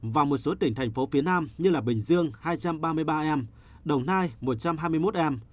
và một số tỉnh thành phố phía nam như bình dương hai trăm ba mươi ba em đồng nai một trăm hai mươi một em